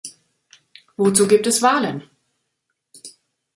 Wozu gibt es Wahlen?